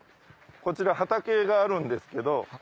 こちら畑があるんですけど。